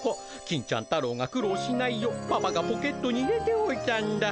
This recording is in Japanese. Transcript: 金ちゃん太郎が苦労しないようパパがポケットに入れておいたんだ。